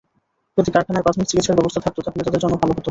যদি কারখানায় প্রাথমিক চিকিৎসার ব্যবস্থা থাকত তাহলে তাঁদের জন্য ভালো হতো।